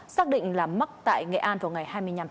xác định là mắc tại nghệ an vào ngày hai